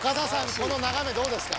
この眺めどうですか？